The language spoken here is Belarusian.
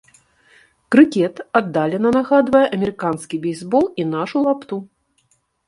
Крыкет аддалена нагадвае амерыканскі бейсбол і нашу лапту.